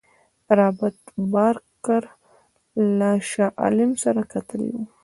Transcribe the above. رابرټ بارکر له شاه عالم سره کتلي وه.